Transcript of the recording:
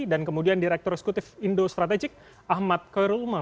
dan kemudian direktur eksekutif indo strategik ahmad koyerul umam